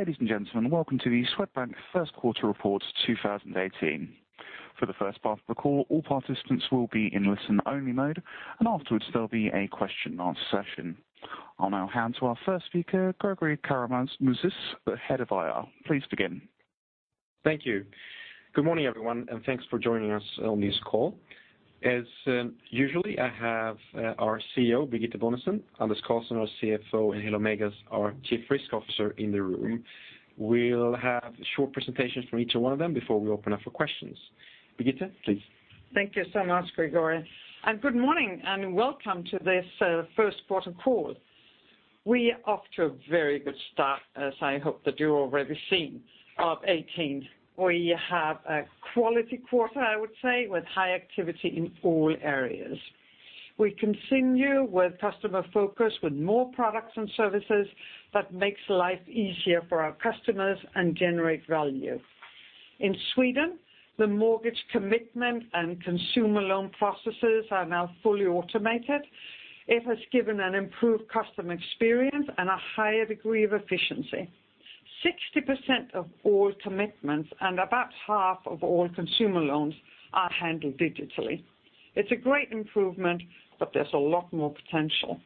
Ladies and gentlemen, welcome to the Swedbank First Quarter Report 2018. For the first part of the call, all participants will be in listen-only mode, and afterwards, there'll be a question and answer session. Now handing over to our first speaker, Gregori Karamouzis, the Head of IR. Please begin. Thank you. Good morning, everyone, and thanks for joining us on this call. As usual, I have our CEO, Birgitte Bonnesen, Anders Karlsson, our CFO, and Helo Meigas, our Chief Risk Officer, in the room. We'll have short presentations from each one of them before we open up for questions. Birgitte, please. Thank you so much, Gregori, and good morning, and welcome to this first quarter call. We are off to a very good start, as I hope that you've already seen, of 2018. We have a quality quarter, I would say, with high activity in all areas. We continue with customer focus, with more products and services that makes life easier for our customers and generate value. In Sweden, the mortgage commitment and consumer loan processes are now fully automated. It has given an improved customer experience and a higher degree of efficiency. 60% of all commitments and about half of all consumer loans are handled digitally. It's a great improvement, but there's a lot more potential.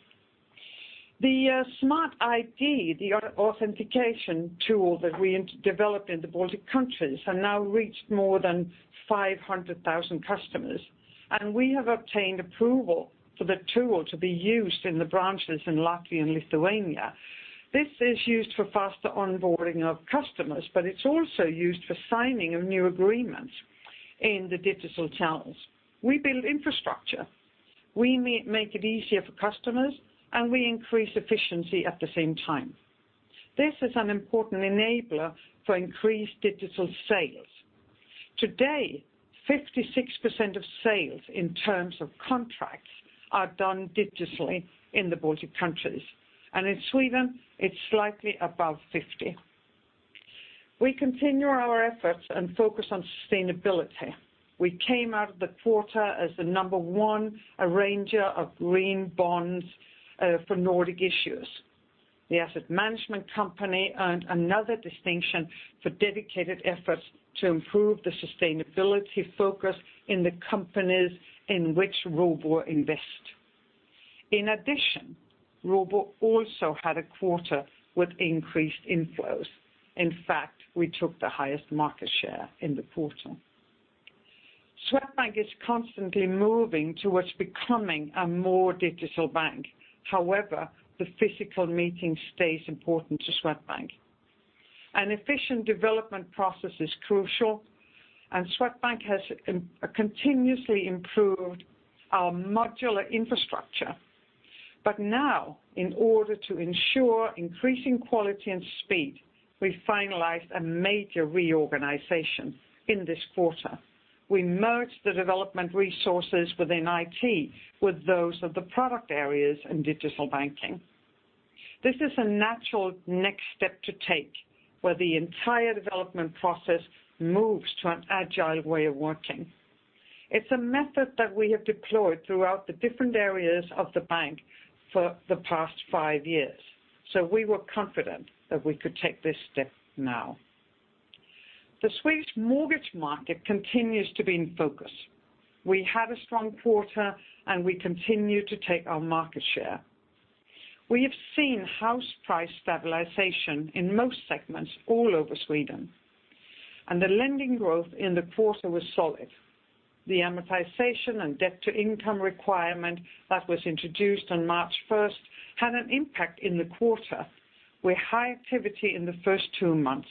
The Smart ID, the authentication tool that we developed in the Baltic countries, have now reached more than 500,000 customers, and we have obtained approval for the tool to be used in the branches in Latvia and Lithuania. This is used for faster onboarding of customers, but it's also used for signing of new agreements in the digital channels. We build infrastructure, we make it easier for customers, and we increase efficiency at the same time. This is an important enabler for increased digital sales. Today, 56% of sales, in terms of contracts, are done digitally in the Baltic countries, and in Sweden, it's slightly above 50. We continue our efforts and focus on sustainability. We came out of the quarter as the number one arranger of green bonds for Nordic issues. The asset management company earned another distinction for dedicated efforts to improve the sustainability focus in the companies in which Robur invest. In addition, Robur also had a quarter with increased inflows. In fact, we took the highest market share in the quarter. Swedbank is constantly moving towards becoming a more digital bank. However, the physical meeting stays important to Swedbank. An efficient development process is crucial, and Swedbank has continuously improved our modular infrastructure. But now, in order to ensure increasing quality and speed, we finalized a major reorganization in this quarter. We merged the development resources within IT with those of the product areas in digital banking. This is a natural next step to take, where the entire development process moves to an agile way of working. It's a method that we have deployed throughout the different areas of the bank for the past five years, so we were confident that we could take this step now. The Swedish mortgage market continues to be in focus. We had a strong quarter, and we continue to take our market share. We have seen house price stabilization in most segments all over Sweden, and the lending growth in the quarter was solid. The amortization and debt-to-income requirement that was introduced on March 1st had an impact in the quarter, with high activity in the first two months.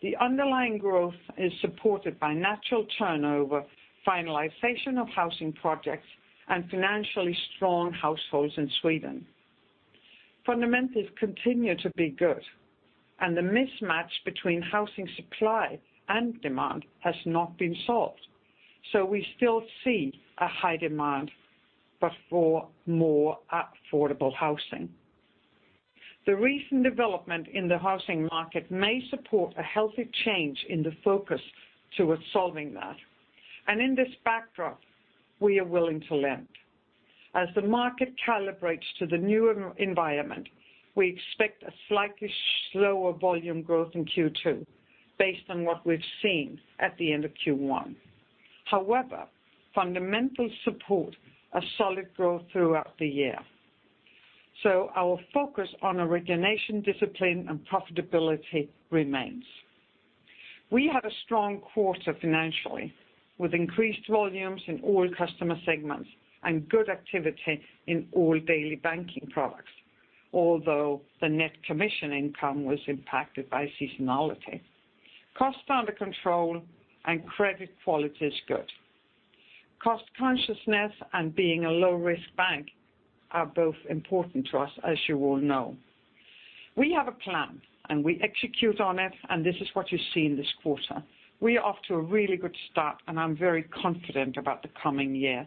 The underlying growth is supported by natural turnover, finalization of housing projects, and financially strong households in Sweden. Fundamentals continue to be good, and the mismatch between housing supply and demand has not been solved, so we still see a high demand, but for more affordable housing. The recent development in the housing market may support a healthy change in the focus towards solving that, and in this backdrop, we are willing to lend. As the market calibrates to the new environment, we expect a slightly slower volume growth in Q2, based on what we've seen at the end of Q1. However, fundamentals support a solid growth throughout the year. So our focus on origination discipline and profitability remains. We had a strong quarter financially, with increased volumes in all customer segments and good activity in all daily banking products, although the net commission income was impacted by seasonality. Costs are under control and credit quality is good. Cost consciousness and being a low-risk bank are both important to us, as you all know. We have a plan, and we execute on it, and this is what you see in this quarter. We are off to a really good start, and I'm very confident about the coming year.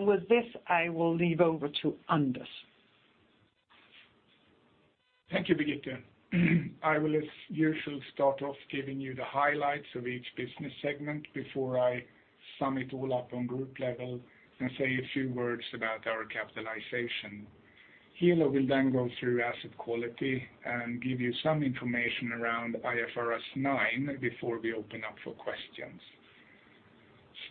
With this, I will hand over to Anders. Thank you, Birgitte. I will, as usual, start off giving you the highlights of each business segment before I... sum it all up on group level and say a few words about our capitalization. Helo will then go through asset quality and give you some information around IFRS 9 before we open up for questions.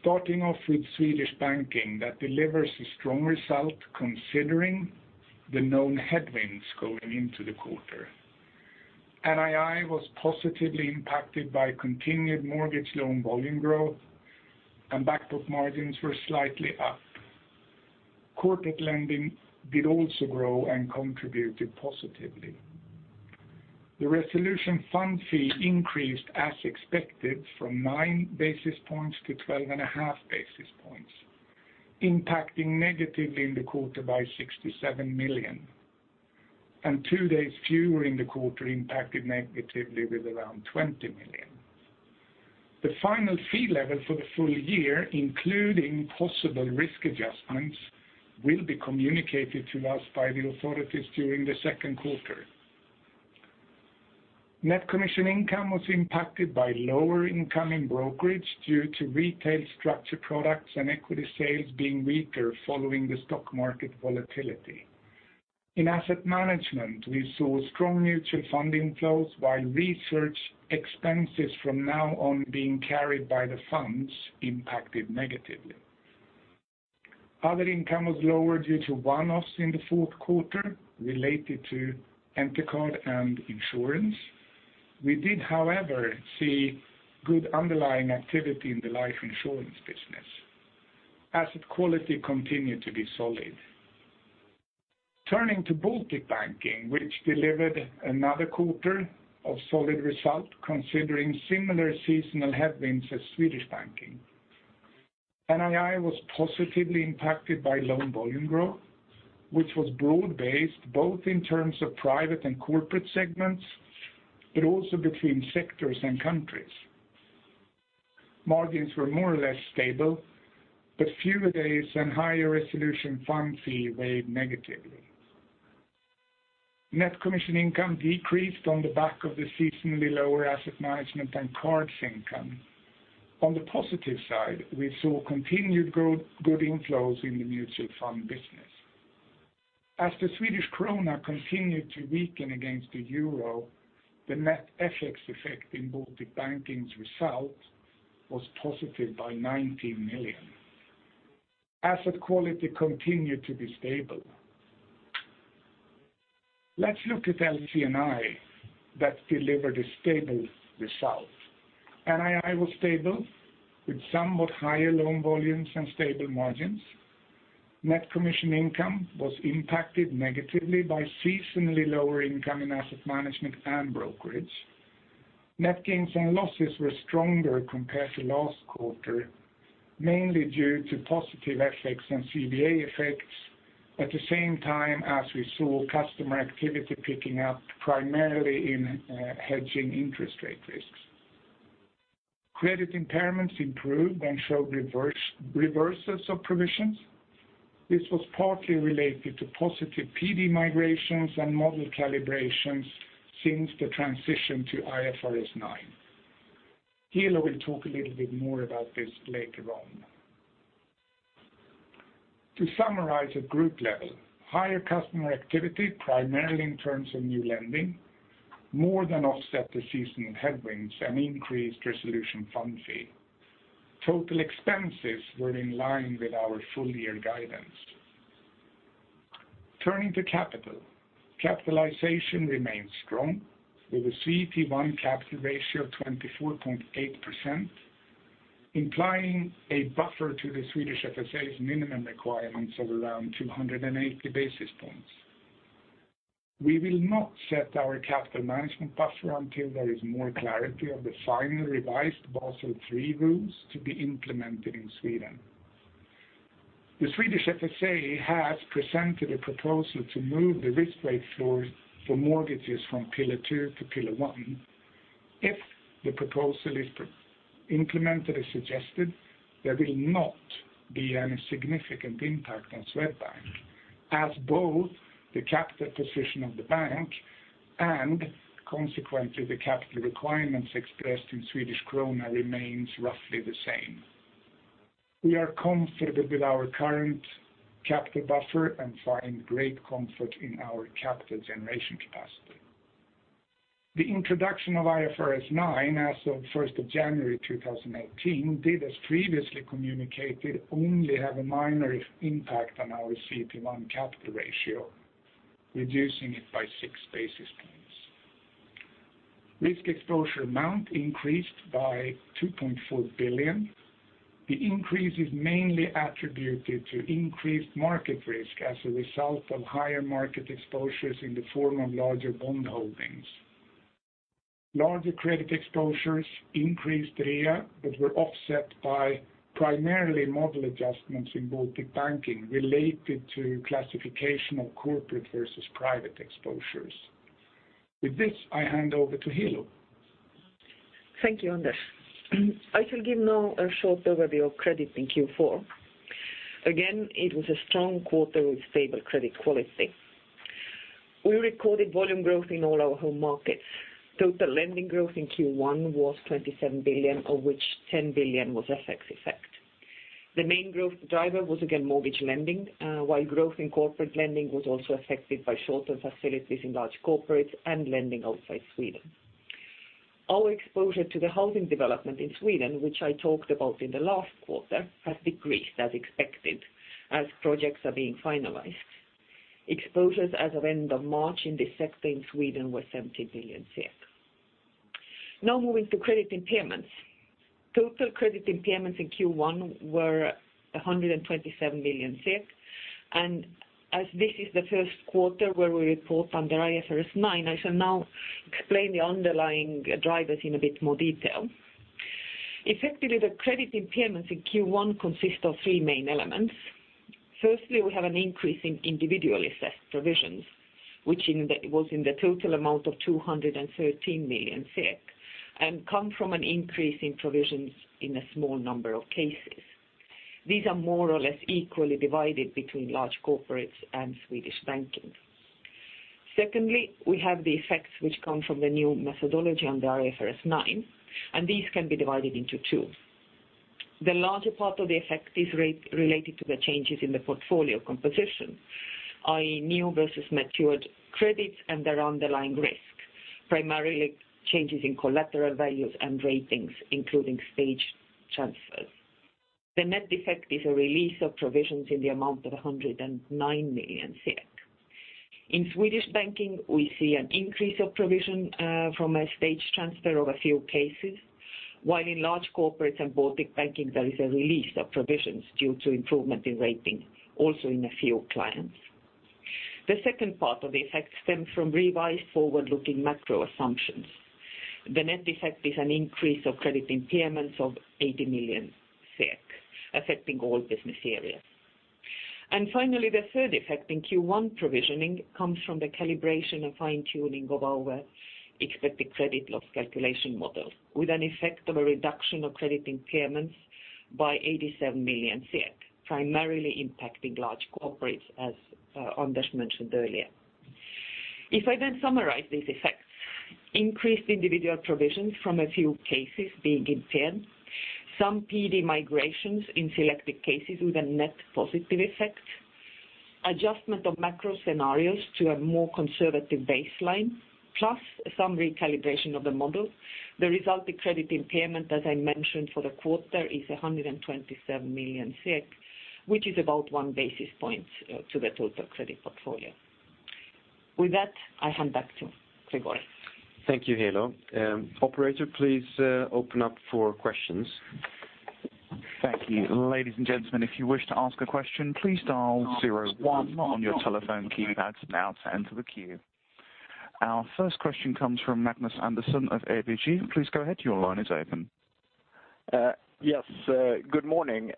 Starting off with Swedish banking, that delivers a strong result considering the known headwinds going into the quarter. NII was positively impacted by continued mortgage loan volume growth, and back book margins were slightly up. Corporate lending did also grow and contributed positively. The resolution fund fee increased as expected from 9 basis points to 12.5 basis points, impacting negatively in the quarter by 67 million, and two days fewer in the quarter impacted negatively with around 20 million. The final fee level for the full year, including possible risk adjustments, will be communicated to us by the authorities during the second quarter. Net commission income was impacted by lower income in brokerage due to retail structured products and equity sales being weaker following the stock market volatility. In asset management, we saw strong mutual fund inflows, while research expenses from now on being carried by the funds impacted negatively. Other income was lower due to one-offs in the fourth quarter related to EnterCard and insurance. We did, however, see good underlying activity in the life insurance business. Asset quality continued to be solid. Turning to Baltic Banking, which delivered another quarter of solid result, considering similar seasonal headwinds as Swedish Banking. NII was positively impacted by loan volume growth, which was broad-based, both in terms of private and corporate segments, but also between sectors and countries. Margins were more or less stable, but fewer days and higher resolution fund fee weighed negatively. Net commission income decreased on the back of the seasonally lower asset management and cards income. On the positive side, we saw continued good, good inflows in the mutual fund business. As the Swedish krona continued to weaken against the euro, the net FX effect in Baltic banking's result was positive by 19 million. Asset quality continued to be stable. Let's look at LC&I that delivered a stable result. NII was stable with somewhat higher loan volumes and stable margins. Net commission income was impacted negatively by seasonally lower income in asset management and brokerage. Net gains and losses were stronger compared to last quarter, mainly due to positive FX and CBA effects, at the same time as we saw customer activity picking up, primarily in hedging interest rate risks. Credit impairments improved and showed reverses of provisions. This was partly related to positive PD migrations and model calibrations since the transition to IFRS 9. Helo will talk a little bit more about this later on. To summarize at group level, higher customer activity, primarily in terms of new lending, more than offset the seasonal headwinds and increased resolution fund fee. Total expenses were in line with our full year guidance. Turning to capital. Capitalization remains strong, with a CET1 capital ratio of 24.8%, implying a buffer to the Swedish FSA's minimum requirements of around 280 basis points. We will not set our capital management buffer until there is more clarity on the final revised Basel III rules to be implemented in Sweden. The Swedish FSA has presented a proposal to move the risk weight floor for mortgages from Pillar 2 to Pillar 1. If the proposal is implemented as suggested, there will not be any significant impact on Swedbank, as both the capital position of the bank and consequently, the capital requirements expressed in Swedish krona remain roughly the same. We are confident with our current capital buffer and find great comfort in our capital generation capacity. The introduction of IFRS 9 as of January 1st, 2018, did, as previously communicated, only have a minor impact on our CET1 capital ratio, reducing it by six basis points. Risk exposure amount increased by 2.4 billion. The increase is mainly attributed to increased market risk as a result of higher market exposures in the form of larger bond holdings. Larger credit exposures increased REA, but were offset by primarily model adjustments in Baltic Banking related to classification of corporate versus private exposures. With this, I hand over to Helo. Thank you, Anders. I shall give now a short overview of credit in Q4. Again, it was a strong quarter with stable credit quality. We recorded volume growth in all our home markets. Total lending growth in Q1 was 27 billion, of which 10 billion was a FX effect. The main growth driver was, again, mortgage lending, while growth in corporate lending was also affected by shorter facilities in large corporates and lending outside Sweden. Our exposure to the housing development in Sweden, which I talked about in the last quarter, has decreased as expected, as projects are being finalized. Exposures as of end of March in this sector in Sweden were 70 billion. Now moving to credit impairments. Total credit impairments in Q1 were 127 billion, and as this is the first quarter where we report under IFRS 9, I shall now explain the underlying drivers in a bit more detail. Effectively, the credit impairments in Q1 consist of three main elements. Firstly, we have an increase in individually assessed provisions, which was in the total amount of 213 million SEK, and come from an increase in provisions in a small number of cases. These are more or less equally divided between large corporates and Swedish banking. Secondly, we have the effects which come from the new methodology under IFRS 9, and these can be divided into two. The larger part of the effect is related to the changes in the portfolio composition, i.e., new versus matured credits and their underlying risk, primarily changes in collateral values and ratings, including stage transfers. The net effect is a release of provisions in the amount of 109 million. In Swedish banking, we see an increase of provision from a stage transfer of a few cases, while in large corporates and Baltic banking, there is a release of provisions due to improvement in rating, also in a few clients. The second part of the effect stem from revised forward-looking macro assumptions. The net effect is an increase of credit impairments of 80 million SEK, affecting all business areas. And finally, the third effect in Q1 provisioning comes from the calibration and fine-tuning of our expected credit loss calculation model, with an effect of a reduction of credit impairments by 87 million, primarily impacting large corporates, as Anders mentioned earlier. If I then summarize these effects, increased individual provisions from a few cases being impaired, some PD migrations in selected cases with a net positive effect, adjustment of macro scenarios to a more conservative baseline, plus some recalibration of the model. The resulting credit impairment, as I mentioned for the quarter, is 127 million, which is about one basis point to the total credit portfolio. With that, I hand back to Gregori. Thank you, Helo. Operator, please, open up for questions. Thank you. Ladies and gentlemen, if you wish to ask a question, please dial zero one on your telephone keypads now to enter the queue. Our first question comes from Magnus Andersson of ABG. Please go ahead. Your line is open. Yes, good morning.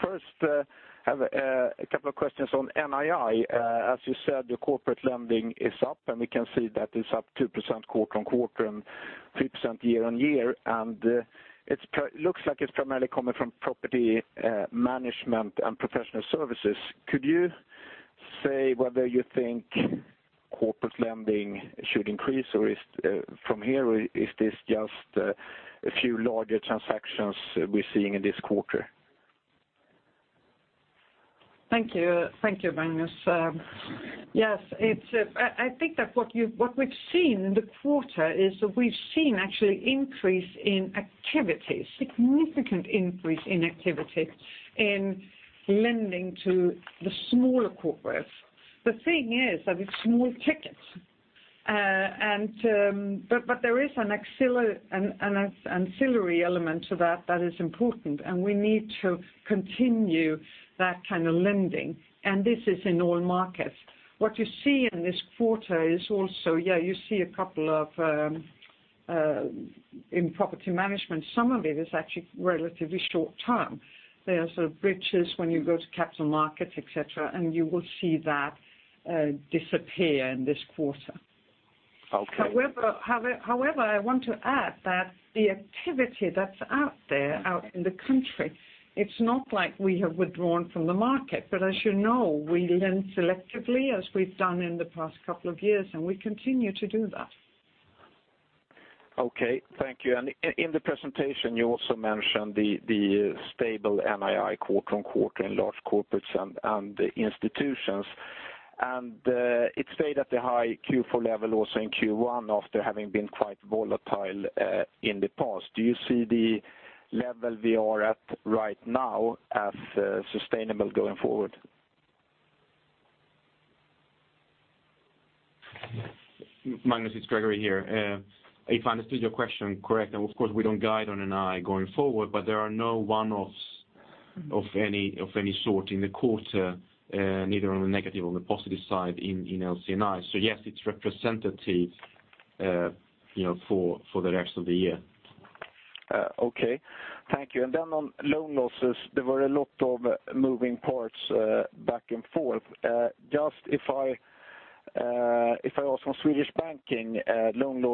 First, I have a couple of questions on NII. As you said, the corporate lending is up, and we can see that it's up 2% quarter-on-quarter and 3% year-on-year. And, it's primarily coming from property management and professional services. Could you say whether you think corporate lending should increase, or is, from here, is this just a few larger transactions we're seeing in this quarter? Thank you. Thank you, Magnus. Yes, it's, I think that what you've, what we've seen in the quarter is we've seen an actual increase in activity, significant increase in activity in lending to the smaller corporates. The thing is that it's small tickets, and there is an ancillary element to that, that is important, and we need to continue that kind of lending, and this is in all markets. What you see in this quarter is also, you see a couple of in property management, some of it is actually relatively short term. There are sort of bridges when you go to capital markets, et cetera, and you will see that disappear in this quarter. Okay. However, I want to add that the activity that's out there, out in the country, it's not like we have withdrawn from the market. But as you know, we lend selectively, as we've done in the past couple of years, and we continue to do that. Okay. Thank you. And in the presentation, you also mentioned the stable NII quarter on quarter in large corporates and institutions. And it stayed at the high Q4 level, also in Q1, after having been quite volatile in the past. Do you see the level we are at right now as sustainable going forward? Magnus, it's gregori here. If I understood your question correct, now, of course, we don't guide on NII going forward, but there are no one-offs of any, of any sort in the quarter, neither on the negative or the positive side in, in LC&I. So yes, it's representative, you know, for, for the rest of the year. Okay. Thank you. And then on loan losses, there were a lot of moving parts, back and forth. Just if I ask on Swedish banking,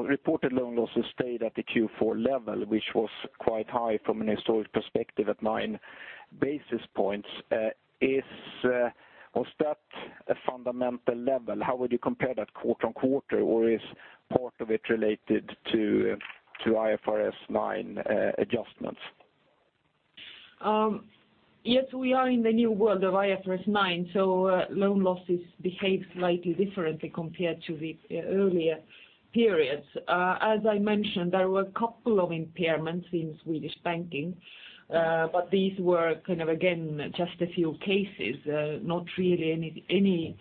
reported loan losses stayed at the Q4 level, which was quite high from an historic perspective at nine basis points, is, was that a fundamental level? How would you compare that quarter-on-quarter, or is part of it related to IFRS 9 adjustments? Yes, we are in the new world of IFRS 9, so loan losses behave slightly differently compared to the earlier periods. As I mentioned, there were a couple of impairments in Swedish banking, but these were kind of, again, just a few cases, not really any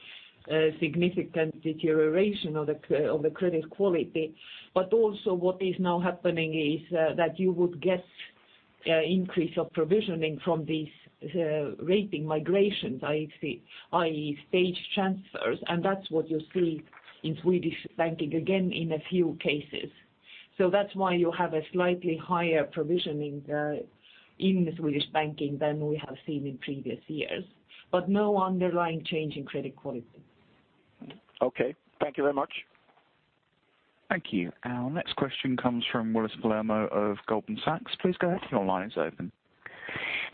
significant deterioration of the credit quality. But also what is now happening is that you would get increase of provisioning from these rating migrations, i.e., stage transfers, and that's what you see in Swedish banking, again, in a few cases. So that's why you have a slightly higher provisioning in the Swedish banking than we have seen in previous years, but no underlying change in credit quality. Okay, thank you very much. Thank you. Our next question comes from Willis Palermo of Goldman Sachs. Please go ahead, your line is open.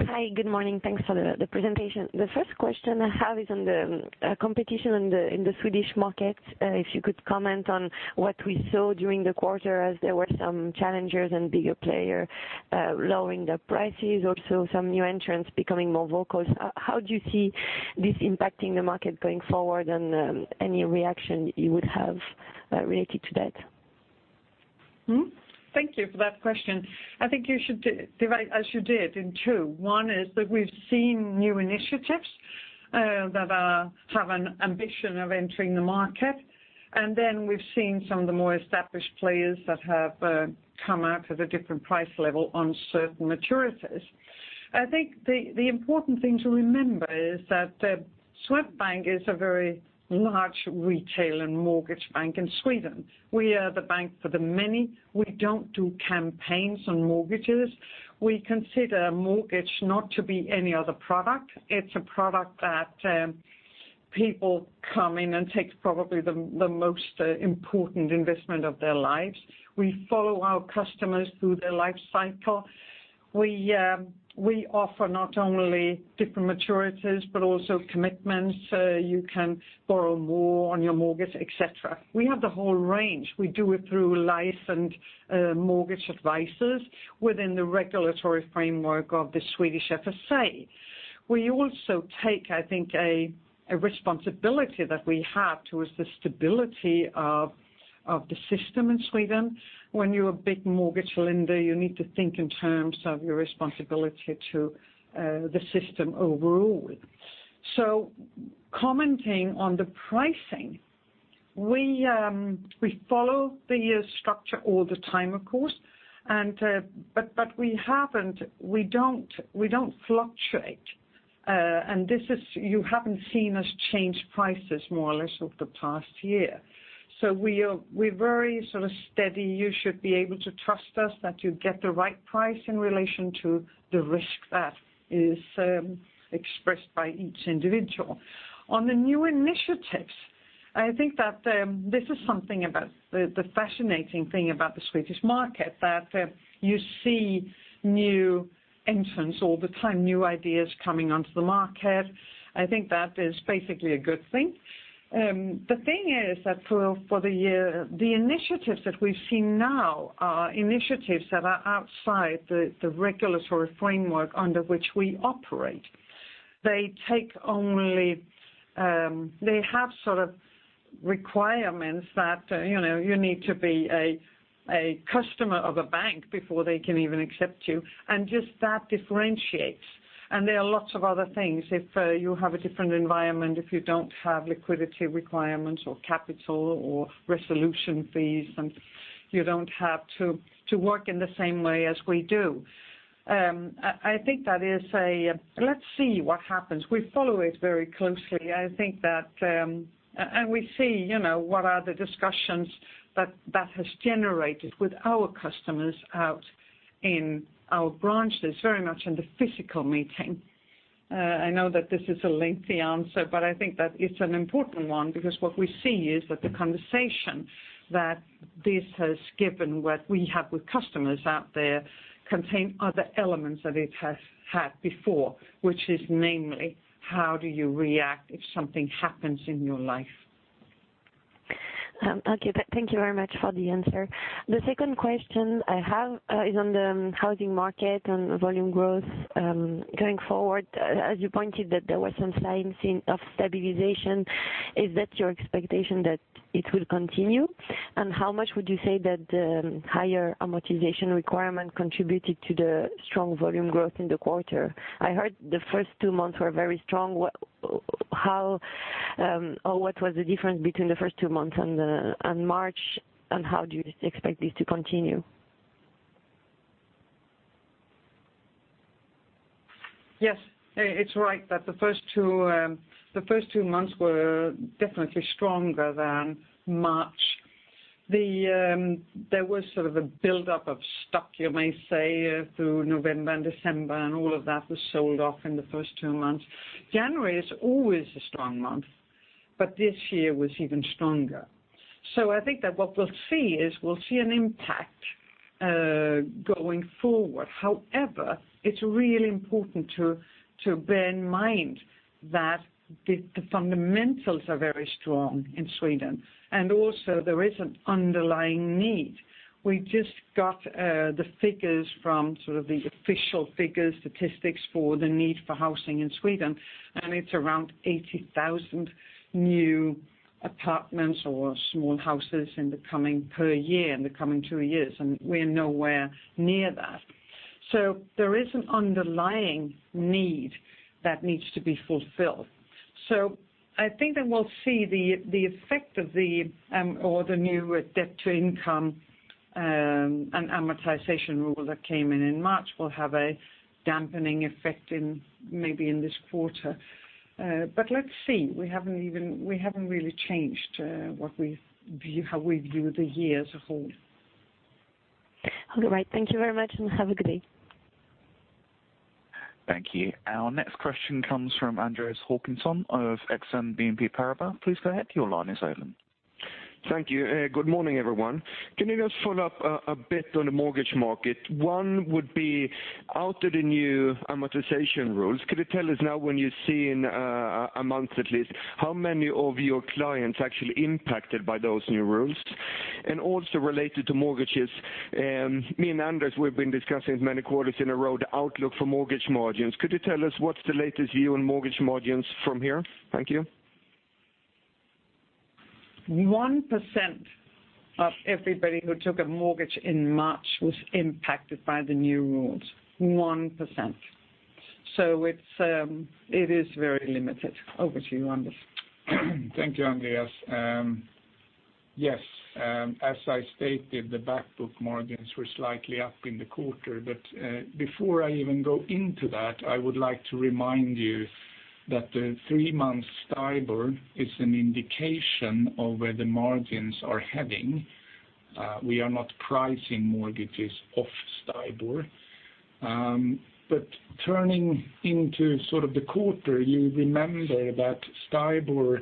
Hi, good morning, thanks for the presentation. The first question I have is on the competition in the Swedish market. If you could comment on what we saw during the quarter, as there were some challengers and bigger player lowering the prices, also some new entrants becoming more vocal. How do you see this impacting the market going forward and any reaction you would have related to that? Hmm. Thank you for that question. I think you should divide, as you did, in two. One is that we've seen new initiatives that have an ambition of entering the market. And then we've seen some of the more established players that have come out at a different price level on certain maturities. I think the important thing to remember is that Swedbank is a very large retail and mortgage bank in Sweden. We are the bank for the many. We don't do campaigns on mortgages. We consider a mortgage not to be any other product. It's a product that people come in and take probably the most important investment of their lives. We follow our customers through their life cycle. We offer not only different maturities, but also commitments. You can borrow more on your mortgage, et cetera. We have the whole range. We do it through licensed mortgage advisors within the regulatory framework of the Swedish FSA. We also take, I think, a responsibility that we have towards the stability of the system in Sweden. When you're a big mortgage lender, you need to think in terms of your responsibility to the system overall. So commenting on the pricing, we follow the structure all the time, of course, but we haven't, we don't fluctuate. And this is, you haven't seen us change prices more or less over the past year. So we are, we're very sort of steady. You should be able to trust us, that you get the right price in relation to the risk that is expressed by each individual. On the new initiatives, I think that this is something about the fascinating thing about the Swedish market, that you see new entrants all the time, new ideas coming onto the market. I think that is basically a good thing. The thing is that for the year, the initiatives that we've seen now are initiatives that are outside the regulatory framework under which we operate. They take only... They have sort of requirements that, you know, you need to be a customer of a bank before they can even accept you, and just that differentiates. And there are lots of other things. If you have a different environment, if you don't have liquidity requirements or capital or resolution fees, and you don't have to work in the same way as we do. I think that is a. Let's see what happens. We follow it very closely. I think that, and we see, you know, what are the discussions that that has generated with our customers out in our branches, very much in the physical meeting. I know that this is a lengthy answer, but I think that it's an important one, because what we see is that the conversation that this has given, what we have with customers out there, contain other elements than it has had before, which is namely, how do you react if something happens in your life? Okay. Thank you very much for the answer. The second question I have is on the housing market and volume growth going forward. As you pointed that there were some signs in of stabilization, is that your expectation that it will continue? And how much would you say that higher amortization requirement contributed to the strong volume growth in the quarter? I heard the first two months were very strong. What how or what was the difference between the first two months and and March, and how do you expect this to continue? Yes, it's right that the first two months were definitely stronger than March. There was sort of a buildup of stock, you may say, through November and December, and all of that was sold off in the first two months. January is always a strong month, but this year was even stronger. So I think that what we'll see is we'll see an impact going forward. However, it's really important to bear in mind that the fundamentals are very strong in Sweden, and also there is an underlying need. We just got the figures from, sort of, the official figures, statistics for the need for housing in Sweden, and it's around 80,000 new apartments or small houses in the coming per year, in the coming two years, and we're nowhere near that. So there is an underlying need that needs to be fulfilled. I think that we'll see the effect of the new debt-to-income and amortization rule that came in in March will have a dampening effect in maybe in this quarter. But let's see, we haven't really changed what we view, how we view the year as a whole. All right. Thank you very much, and have a good day. Thank you. Our next question comes from Andreas Håkansson of Exane BNP Paribas. Please go ahead, your line is open. Thank you. Good morning, everyone. Can you just follow up a bit on the mortgage market? One would be out of the new amortization rules, could you tell us now when you see in a month at least, how many of your clients actually impacted by those new rules? Also related to mortgages, me and Anders, we've been discussing many quarters in a row the outlook for mortgage margins. Could you tell us what's the latest view on mortgage margins from here? Thank you. 1% of everybody who took a mortgage in March was impacted by the new rules, 1%. So it's, it is very limited. Over to you, Anders. Thank you, Andreas. Yes, as I stated, the back book margins were slightly up in the quarter. But before I even go into that, I would like to remind you that the three-month STIBOR is an indication of where the margins are heading. We are not pricing mortgages off STIBOR. But turning into sort of the quarter, you remember that STIBOR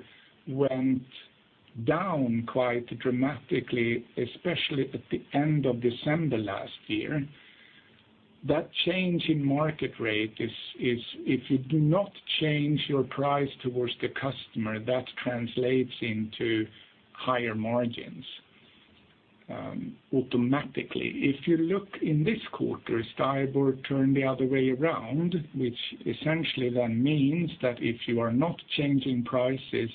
went down quite dramatically, especially at the end of December last year. That change in market rate is if you do not change your price towards the customer, that translates into higher margins automatically. If you look in this quarter, STIBOR turned the other way around, which essentially then means that if you are not changing prices,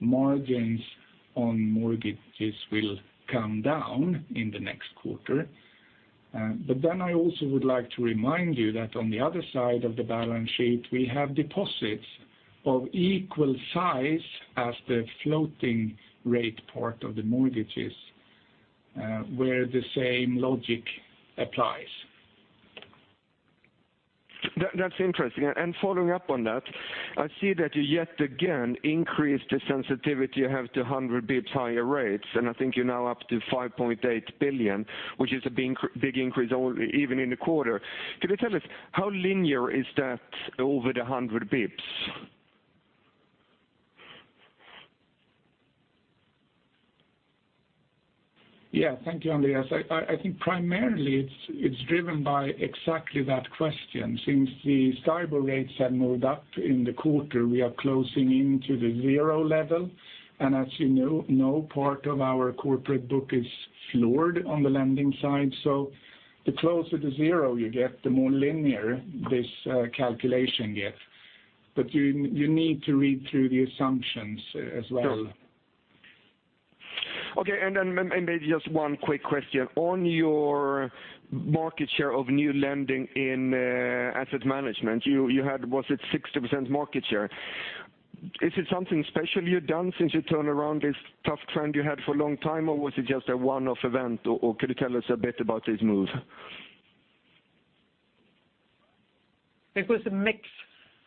margins on mortgages will come down in the next quarter. But then I also would like to remind you that on the other side of the balance sheet, we have deposits of equal size as the floating rate part of the mortgages, where the same logic applies. That, that's interesting. Following up on that, I see that you yet again increased the sensitivity you have to 100 basis points higher rates, and I think you're now up to 5.8 billion, which is a big, big increase all, even in the quarter. Could you tell us how linear is that over the 100 basis points? Yeah. Thank you, Andreas. I think primarily it's driven by exactly that question. Since the STIBOR rates have moved up in the quarter, we are closing into the zero level. And as you know, no part of our corporate book is floored on the lending side. So the closer to zero you get, the more linear this calculation gets. But you need to read through the assumptions as well. Sure. Okay, and then, and maybe just one quick question. On your market share of new lending in asset management, you, you had, was it 60% market share? Is it something special you've done since you turned around this tough trend you had for a long time, or was it just a one-off event, or, or could you tell us a bit about this move? It was a mix.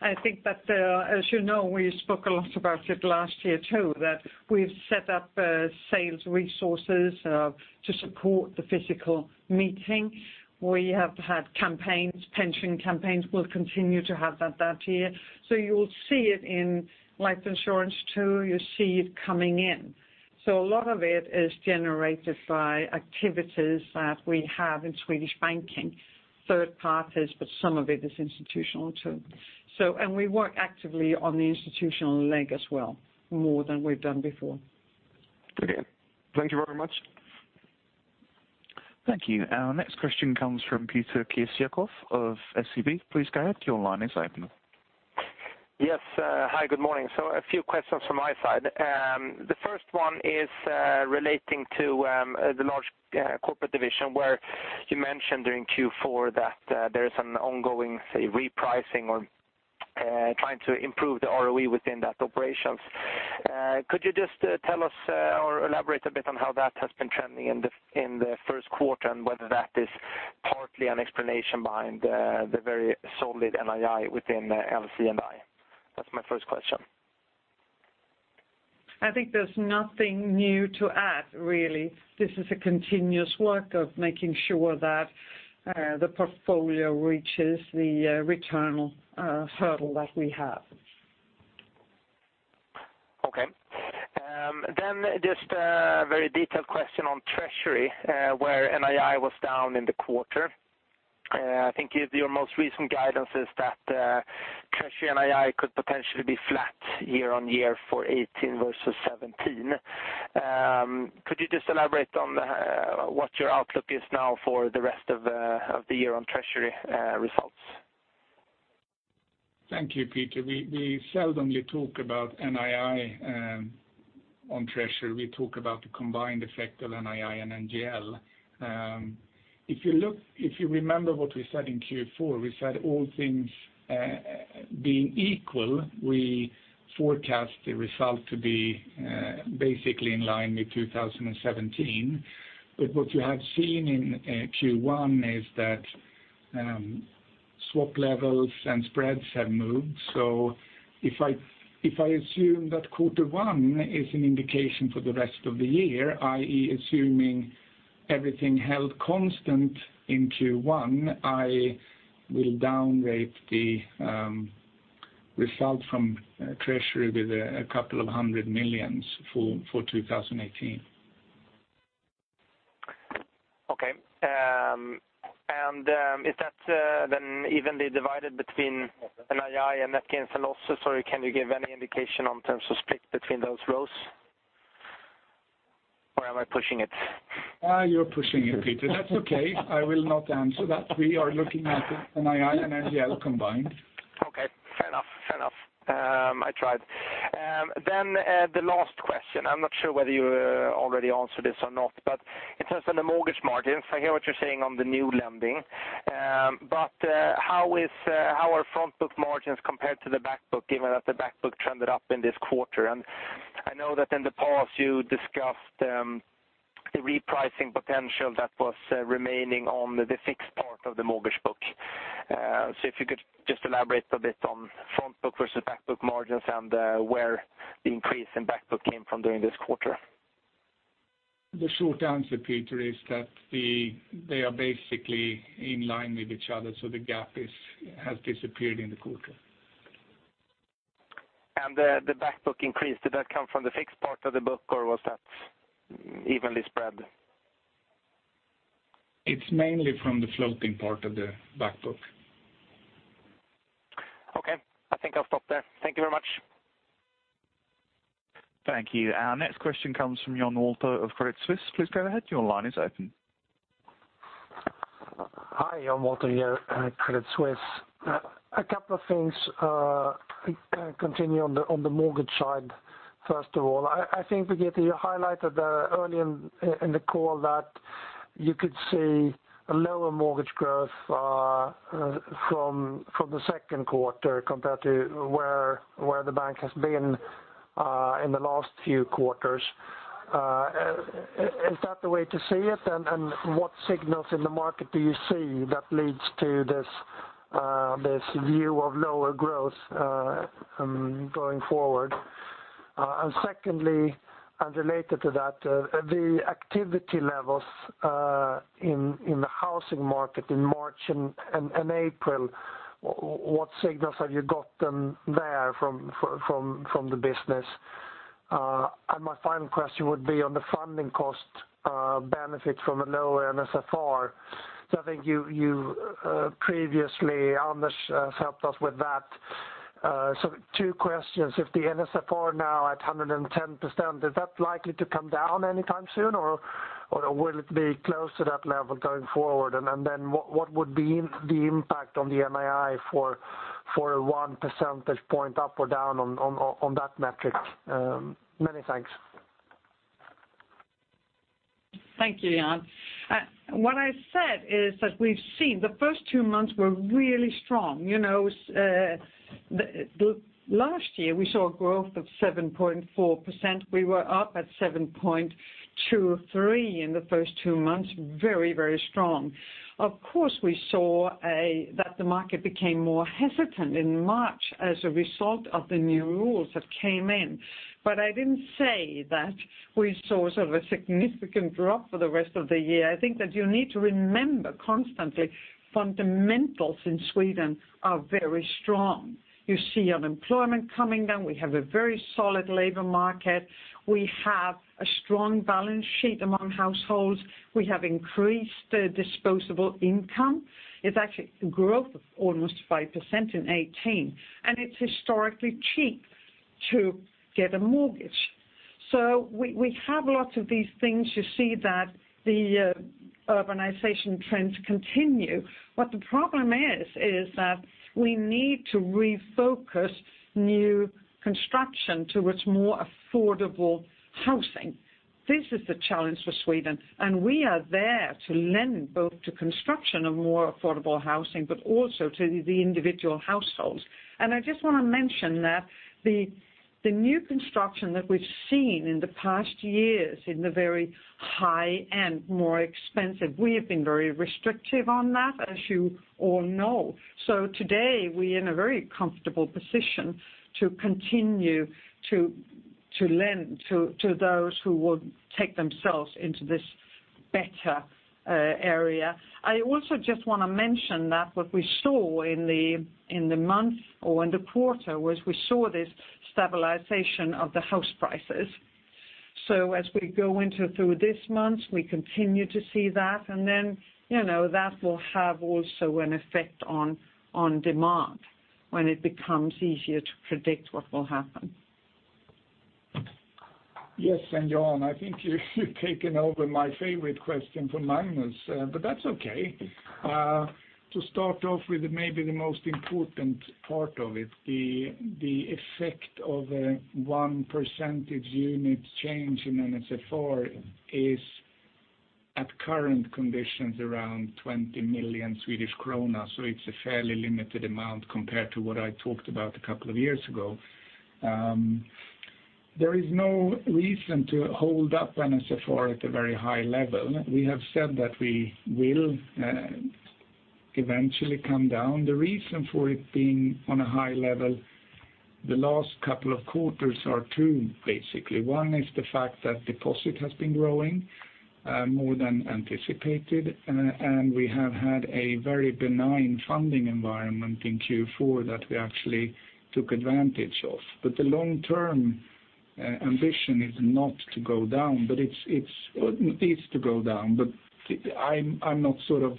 I think that, as you know, we spoke a lot about it last year, too, that we've set up sales resources to support the physical meeting. We have had campaigns, pension campaigns. We'll continue to have that that year. So you'll see it in life insurance, too. You see it coming in. So a lot of it is generated by activities that we have in Swedish banking, third parties, but some of it is institutional, too. So... And we work actively on the institutional leg as well, more than we've done before. Okay. Thank you very much. Thank you. Our next question comes from Peter Kessiakoff of SEB. Please go ahead, your line is open. Yes. Hi, good morning. A few questions from my side. The first one is relating to the large corporate division, where you mentioned during Q4 that there is an ongoing, say, repricing or trying to improve the ROE within that operations. Could you just tell us or elaborate a bit on how that has been trending in the first quarter, and whether that is partly an explanation behind the very solid NII within LC&I? That's my first question. I think there's nothing new to add, really. This is a continuous work of making sure that the portfolio reaches the return hurdle that we have.... Okay. Then just a very detailed question on treasury, where NII was down in the quarter. I think your, your most recent guidance is that, treasury NII could potentially be flat year-on-year for 2018 versus 2017. Could you just elaborate on, what your outlook is now for the rest of, of the year on treasury, results? Thank you, Peter. We seldom talk about NII on treasury. We talk about the combined effect of NII and NGL. If you remember what we said in Q4, we said all things being equal, we forecast the result to be basically in line with 2017. But what you have seen in Q1 is that swap levels and spreads have moved. So if I assume that quarter one is an indication for the rest of the year, i.e., assuming everything held constant in Q1, I will downrate the result from treasury with a couple of hundred million SEK for 2018. Okay. And is that then evenly divided between NII and net gains and losses? Sorry, can you give any indication in terms of split between those rows? Or am I pushing it? You're pushing it, Peter. That's okay. I will not answer that. We are looking at NII and NGL combined. Okay, fair enough. Fair enough. I tried. Then, the last question, I'm not sure whether you already answered this or not, but in terms of the mortgage margins, I hear what you're saying on the new lending. But, how is, how are front book margins compared to the back book, given that the back book trended up in this quarter? And I know that in the past, you discussed, the repricing potential that was remaining on the fixed part of the mortgage book. So if you could just elaborate a bit on front book versus back book margins and, where the increase in back book came from during this quarter. The short answer, Peter, is that they are basically in line with each other, so the gap is, has disappeared in the quarter. And the back book increase, did that come from the fixed part of the book, or was that evenly spread? It's mainly from the floating part of the back book. Okay, I think I'll stop there. Thank you very much. Thank you. Our next question comes from Jan Wolter of Credit Suisse. Please go ahead, your line is open. Hi, Jan Walter here at Credit Suisse. A couple of things, continue on the mortgage side. First of all, I think, Birgitte, you highlighted early in the call that you could see a lower mortgage growth from the second quarter compared to where the bank has been in the last few quarters. Is that the way to see it? And what signals in the market do you see that leads to this view of lower growth going forward? And secondly, and related to that, the activity levels in the housing market in March and April, what signals have you gotten there from the business? And my final question would be on the funding cost benefit from a lower NSFR. So I think you previously, Anders, helped us with that. So two questions, if the NSFR now at 110%, is that likely to come down anytime soon, or will it be close to that level going forward? And then what would be the impact on the NII for one percentage point up or down on that metric? Many thanks. Thank you, Jan. What I said is that we've seen the first two months were really strong. You know, the last year, we saw a growth of 7.4%. We were up at 7.23 in the first two months, very, very strong. Of course, we saw that the market became more hesitant in March as a result of the new rules that came in. But I didn't say that we saw sort of a significant drop for the rest of the year. I think that you need to remember constantly, fundamentals in Sweden are very strong. You see unemployment coming down, we have a very solid labor market, we have a strong balance sheet among households, we have increased the disposable income. It's actually growth of almost 5% in 2018, and it's historically cheap to get a mortgage. So we have lots of these things. You see that the urbanization trends continue. But the problem is that we need to refocus new construction towards more affordable housing. This is the challenge for Sweden, and we are there to lend both to construction of more affordable housing, but also to the individual households. And I just want to mention that the new construction that we've seen in the past years, in the very high-end, more expensive, we have been very restrictive on that, as you all know. So today, we're in a very comfortable position to continue to lend to those who would take themselves into this better area. I also just want to mention that what we saw in the month or in the quarter was we saw this stabilization of the house prices. So, as we go through this month, we continue to see that, and then, you know, that will have also an effect on demand when it becomes easier to predict what will happen. Yes, Jan, I think you've taken over my favorite question from Magnus, but that's okay. To start off with maybe the most important part of it, the effect of a 1 percentage unit change in NSFR is, at current conditions, around 20 million Swedish krona. So it's a fairly limited amount compared to what I talked about a couple of years ago. There is no reason to hold up NSFR at a very high level. We have said that we will eventually come down. The reason for it being on a high level the last couple of quarters are two, basically. One is the fact that deposit has been growing more than anticipated, and we have had a very benign funding environment in Q4 that we actually took advantage of. But the long-term ambition is not to go down, but it is to go down, but I'm not sort of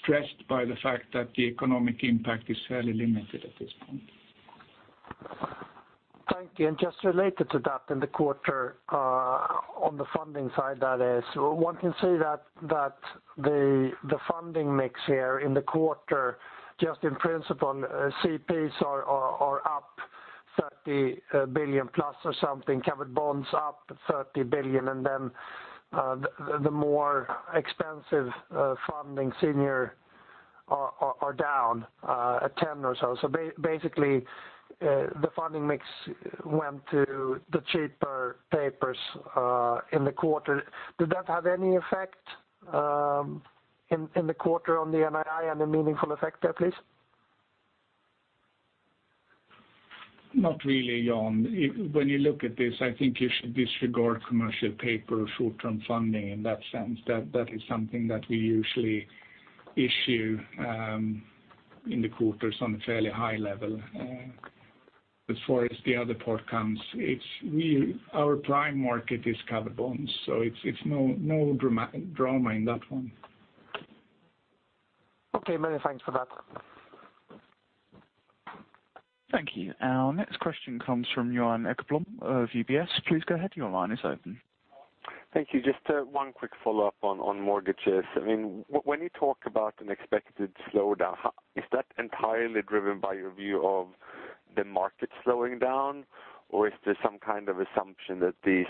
stressed by the fact that the economic impact is fairly limited at this point. Thank you. Just related to that in the quarter, on the funding side, that is, one can say that the funding mix here in the quarter, just in principle, CPs are up 30 billion plus or something, covered bonds up 30 billion, and then the more expensive funding senior are down at 10 or so. So basically, the funding mix went to the cheaper papers in the quarter. Did that have any effect in the quarter on the NII, any meaningful effect there, please? Not really, Jan. When you look at this, I think you should disregard commercial paper or short-term funding in that sense. That is something that we usually issue in the quarters on a fairly high level. As far as the other part comes, it's really our prime market is covered bonds, so it's no drama in that one. Okay. Many thanks for that. Thank you. Our next question comes from Johan Ekblom of UBS. Please go ahead. Your line is open. Thank you. Just one quick follow-up on mortgages. I mean, when you talk about an expected slowdown, is that entirely driven by your view of the market slowing down, or is there some kind of assumption that these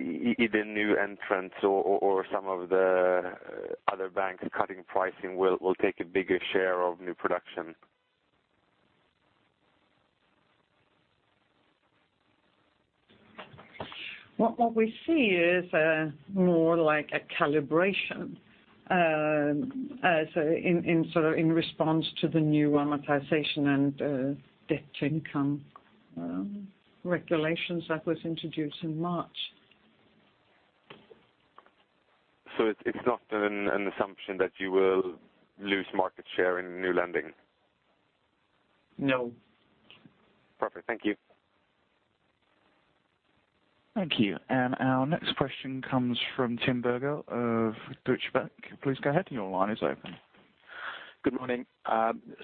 either new entrants or some of the other banks cutting pricing will take a bigger share of new production? What we see is more like a calibration, as in sort of in response to the new amortization and debt-to-income regulations that was introduced in March. So it's not an assumption that you will lose market share in new lending? No. Perfect. Thank you. Thank you. And our next question comes from Kim Bergoe of Deutsche Bank. Please go ahead. Your line is open. Good morning.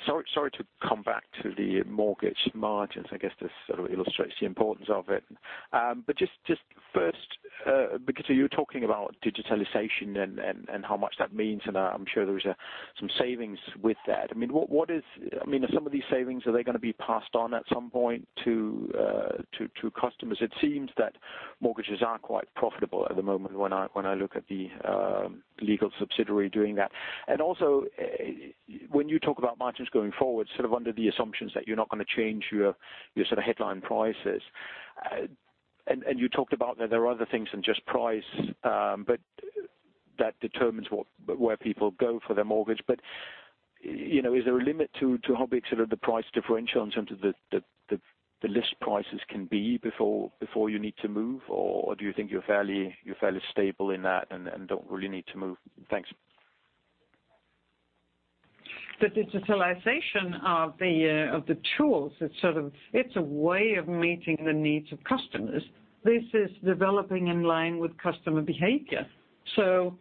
Sorry, sorry to come back to the mortgage margins. I guess this sort of illustrates the importance of it. But just, just first, Birgitte, you were talking about digitization and how much that means, and I'm sure there is some savings with that. I mean, what is... I mean, are some of these savings gonna be passed on at some point to customers? It seems that mortgages are quite profitable at the moment when I look at the legal subsidiary doing that. And also, when you talk about margins going forward, sort of under the assumptions that you're not gonna change your sort of headline prices, and you talked about that there are other things than just price, but that determines where people go for their mortgage. But, you know, is there a limit to how big sort of the price differential in terms of the list prices can be before you need to move, or do you think you're fairly stable in that and don't really need to move? Thanks. The digitalization of the tools, it's sort of a way of meeting the needs of customers. This is developing in line with customer behavior. So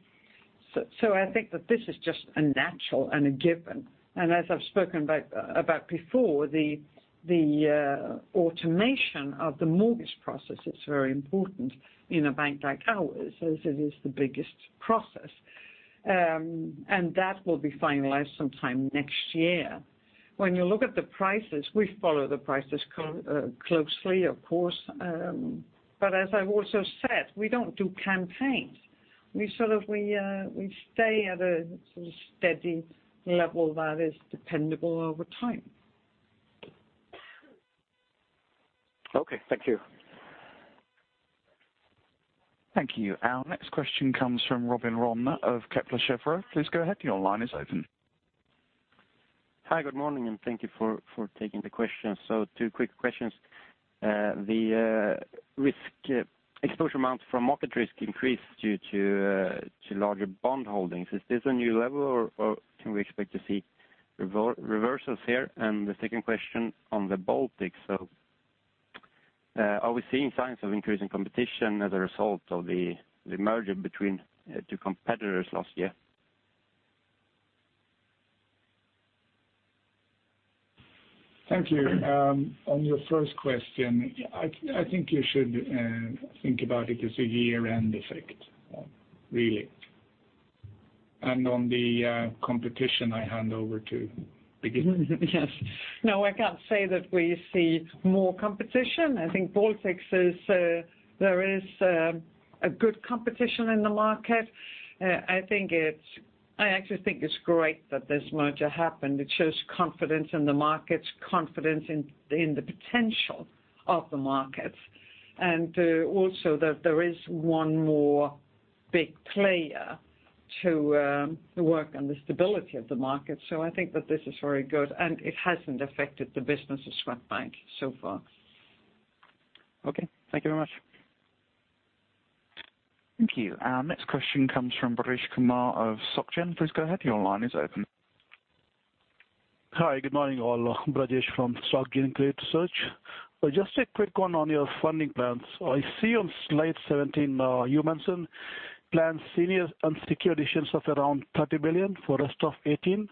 I think that this is just a natural and a given. And as I've spoken back about before, the automation of the mortgage process is very important in a bank like ours, as it is the biggest process. And that will be finalized sometime next year. When you look at the prices, we follow the prices closely, of course. But as I've also said, we don't do campaigns. We sort of stay at a steady level that is dependable over time. Okay. Thank you. Thank you. Our next question comes from Robin Rane of Kepler Cheuvreux. Please go ahead. Your line is open. Hi, good morning, and thank you for taking the questions. So two quick questions. The risk exposure amounts from market risk increased due to larger bond holdings. Is this a new level, or can we expect to see reversals here? And the second question on the Baltics. So, are we seeing signs of increasing competition as a result of the merger between two competitors last year? Thank you. On your first question, I think you should think about it as a year-end effect, really. And on the competition, I hand over to Birgitte. Yes. No, I can't say that we see more competition. I think Baltics is there is a good competition in the market. I think it's I actually think it's great that this merger happened. It shows confidence in the markets, confidence in in the potential of the markets. And also that there is one more big player to work on the stability of the market. So I think that this is very good, and it hasn't affected the business of Swedbank so far. Okay, thank you very much. Thank you. Our next question comes from Brajesh Kumar of SocGen. Please go ahead, your line is open. Hi, good morning, all. Brajesh from SocGen Credit Research. Just a quick one on your funding plans. I see on slide 17, you mentioned planned senior unsecured issues of around 30 billion for rest of 2018.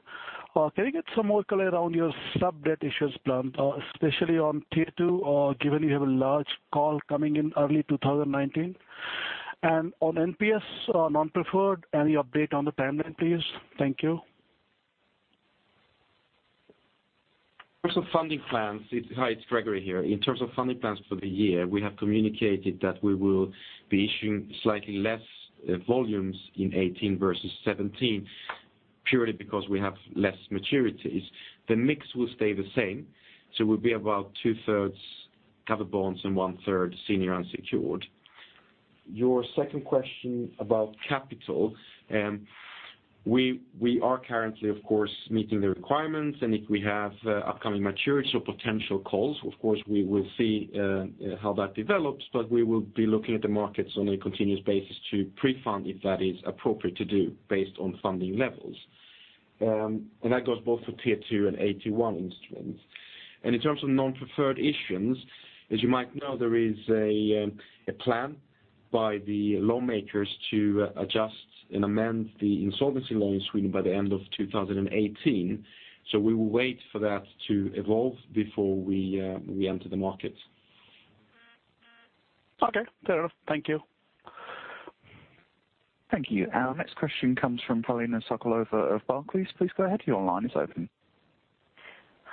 Can you get some more color around your sub-debt issues plan, especially on tier two, given you have a large call coming in early 2019? And on NPS, non-preferred, any update on the timeline, please? Thank you. In terms of funding plans, it's, hi, it's Gregori here. In terms of funding plans for the year, we have communicated that we will be issuing slightly less volumes in 2018 versus 2017, purely because we have less maturities. The mix will stay the same, so we'll be about two-thirds covered bonds and one-third senior unsecured. Your second question about capital, we are currently, of course, meeting the requirements, and if we have upcoming maturities or potential calls, of course, we will see how that develops. But we will be looking at the markets on a continuous basis to pre-fund, if that is appropriate to do, based on funding levels. And that goes both for Tier 2 and AT1 instruments. In terms of non-preferred issues, as you might know, there is a plan by the lawmakers to adjust and amend the insolvency law in Sweden by the end of 2018. We will wait for that to evolve before we enter the market. Okay, fair enough. Thank you. Thank you. Our next question comes from Paulina Sokolova of Barclays. Please go ahead, your line is open.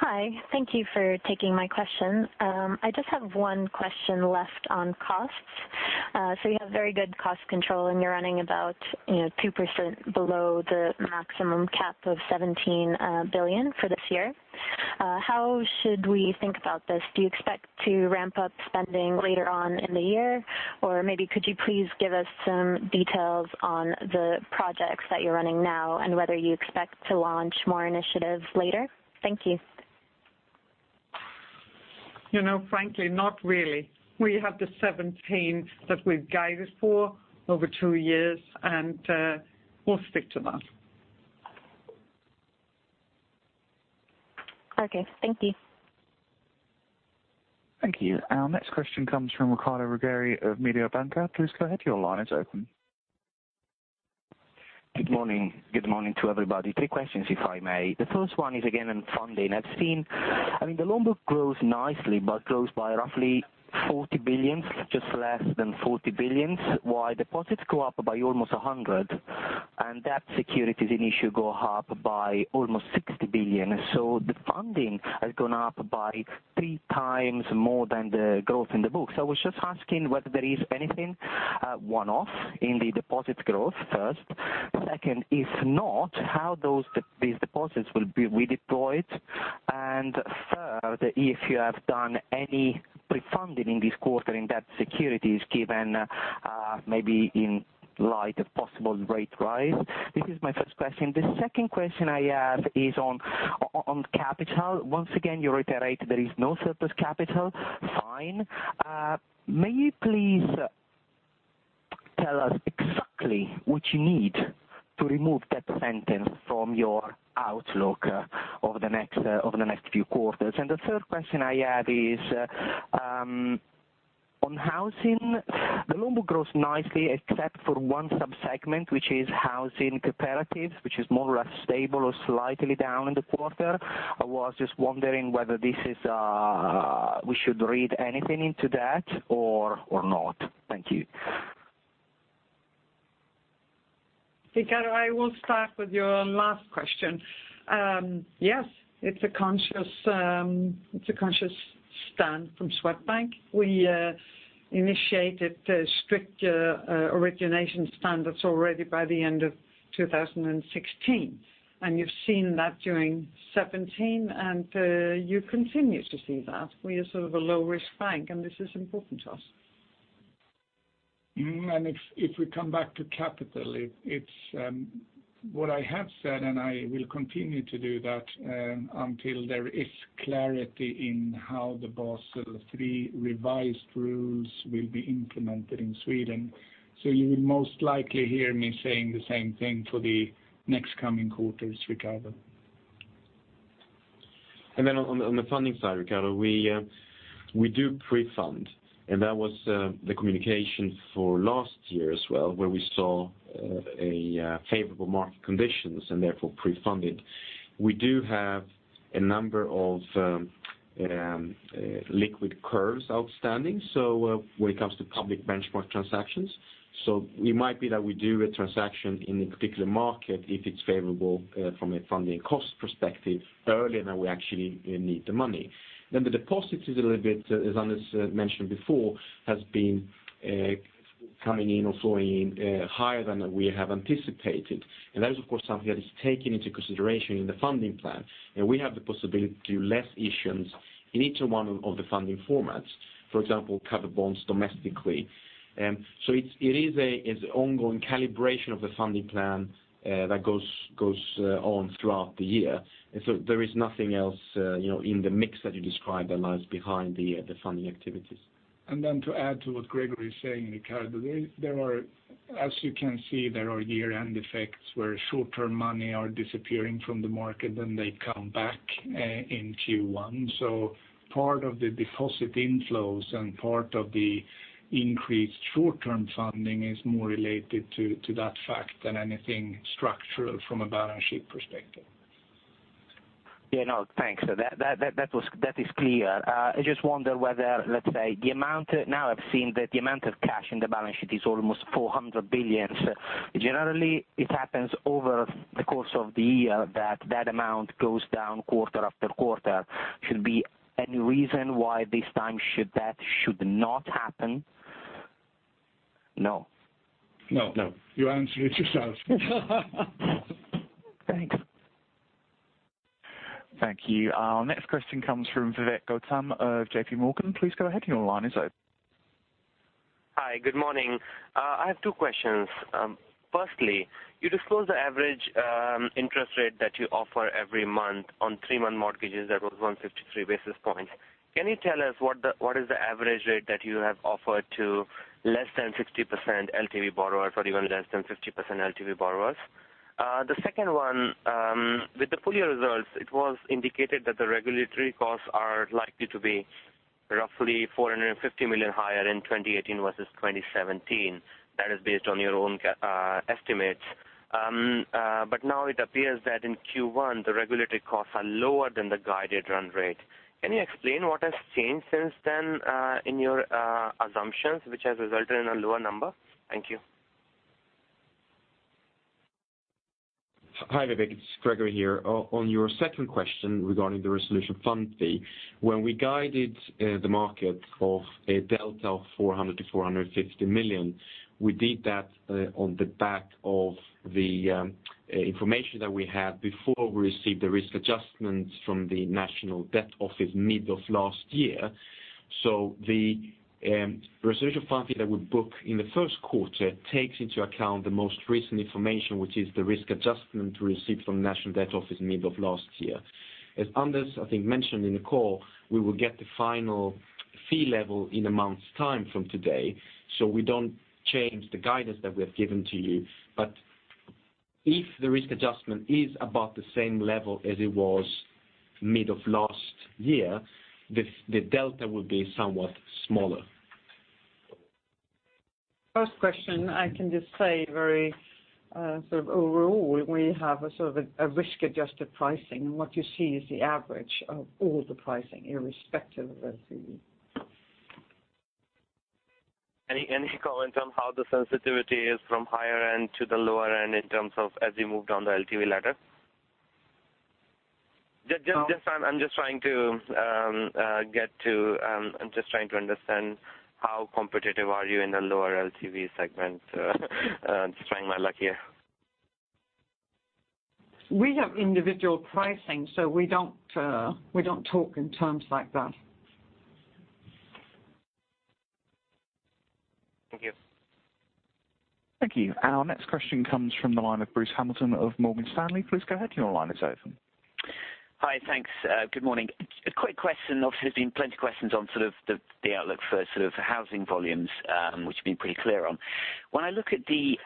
Hi, thank you for taking my question. I just have one question left on costs. So you have very good cost control, and you're running about, you know, 2% below the maximum cap of 17 billion for this year. How should we think about this? Do you expect to ramp up spending later on in the year? Or maybe could you please give us some details on the projects that you're running now, and whether you expect to launch more initiatives later? Thank you. You know, frankly, not really. We have the 17 that we've guided for over two years, and we'll stick to that. Okay, thank you. Thank you. Our next question comes from Riccardo Rovere of Mediobanca. Please go ahead, your line is open. Good morning. Good morning to everybody. Three questions, if I may. The first one is, again, on funding. I've seen, I mean, the loan book grows nicely, but grows by roughly 40 billion, just less than 40 billion, while deposits go up by almost 100 billion, and debt securities in issue go up by almost 60 billion. So the funding has gone up by three times more than the growth in the book. So I was just asking whether there is anything, one-off in the deposits growth, first? Second, if not, how those these deposits will be redeployed? And third, if you have done any pre-funding in this quarter in debt securities, given, maybe in light of possible rate rise? This is my first question. The second question I have is on, on capital. Once again, you reiterate there is no surplus capital. Fine. May you please tell us exactly what you need to remove that sentence from your outlook over the next, over the next few quarters? The third question I have is on housing. The loan book grows nicely except for one sub-segment, which is housing cooperatives, which is more or less stable or slightly down in the quarter. I was just wondering whether this is we should read anything into that or not? Thank you. Riccardo, I will start with your last question. Yes, it's a conscious, it's a conscious stand from Swedbank. We initiated strict origination standards already by the end of 2016, and you've seen that during 2017, and you continue to see that. We are sort of a low-risk bank, and this is important to us. ... Mm-hmm, and if we come back to capital, it's what I have said, and I will continue to do that, until there is clarity in how the Basel III revised rules will be implemented in Sweden. So you will most likely hear me saying the same thing for the next coming quarters, Riccardo. Then on the funding side, Riccardo, we do pre-fund, and that was the communication for last year as well, where we saw favorable market conditions and therefore pre-funded. We do have a number of liquid curves outstanding, so when it comes to public benchmark transactions. So it might be that we do a transaction in a particular market if it's favorable from a funding cost perspective earlier than we actually need the money. Then the deposits is a little bit, as Anders mentioned before, has been coming in or flowing in higher than we have anticipated. And that is, of course, something that is taken into consideration in the funding plan. And we have the possibility to do less issuance in each one of the funding formats. For example, cover bonds domestically. So it's ongoing calibration of the funding plan that goes on throughout the year. And so there is nothing else, you know, in the mix that you describe that lies behind the funding activities. And then to add to what gregori is saying, Ricardo, there, there are, as you can see, there are year-end effects where short-term money are disappearing from the market, then they come back, in Q1. So part of the deposit inflows and part of the increased short-term funding is more related to, to that fact than anything structural from a balance sheet perspective. Yeah, no, thanks. So that, that was—that is clear. I just wonder whether, let's say, the amount. Now I've seen that the amount of cash in the balance sheet is almost 400 billion. Generally, it happens over the course of the year that that amount goes down quarter after quarter. Should be any reason why this time should that should not happen? No. No. You answered it yourself. Thanks. Thank you. Our next question comes from Vivek Gautam of JPMorgan. Please go ahead, your line is open. Hi, good morning. I have two questions. Firstly, you disclose the average interest rate that you offer every month on three-month mortgages. That was 153 basis points. Can you tell us what the, what is the average rate that you have offered to less than 60% LTV borrowers or even less than 50% LTV borrowers? The second one, with the full year results, it was indicated that the regulatory costs are likely to be roughly 450 million higher in 2018 versus 2017. That is based on your own estimates. But now it appears that in Q1, the regulatory costs are lower than the guided run rate. Can you explain what has changed since then, in your assumptions, which has resulted in a lower number? Thank you. Hi, Vivek, it's Gregori here. On your second question regarding the resolution fund fee, when we guided the market of a delta of 400 million-450 million, we did that on the back of the information that we had before we received the risk adjustments from the National Debt Office mid of last year. So the resolution fund fee that we book in the first quarter takes into account the most recent information, which is the risk adjustment received from National Debt Office mid of last year. As Anders, I think, mentioned in the call, we will get the final fee level in a month's time from today, so we don't change the guidance that we have given to you. But if the risk adjustment is about the same level as it was mid of last year, the delta will be somewhat smaller. First question, I can just say very, sort of overall, we have a sort of risk-adjusted pricing. What you see is the average of all the pricing, irrespective of the- Any, any comment on how the sensitivity is from higher end to the lower end in terms of as you move down the LTV ladder? No- I'm just trying to understand how competitive are you in the lower LTV segment? Just trying my luck here. We have individual pricing, so we don't, we don't talk in terms like that. Thank you. Thank you. Our next question comes from the line of Bruce Hamilton of Morgan Stanley. Please go ahead, your line is open. Hi, thanks. Good morning. A quick question, obviously, there's been plenty of questions on sort of the outlook for sort of housing volumes, which you've been pretty clear on. When I look at the